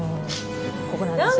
ここなんですよ。